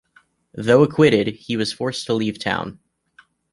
Though acquitted, he was forced to leave town.